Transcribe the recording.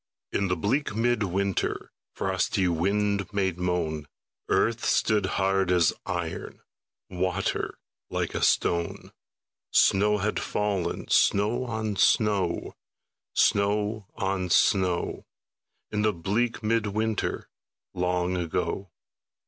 In the bleak mid winter Frosty wind made moan, Earth stood hard as iron, Water like a stone; Snow had fallen, snow on snow, Snow on snow, In the bleak mid winter Long ago.